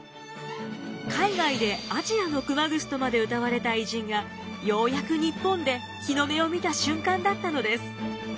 海外で「アジアの熊楠」とまでうたわれた偉人がようやく日本で日の目を見た瞬間だったのです。